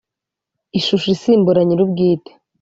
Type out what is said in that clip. ishusho isimbura nyirubwite .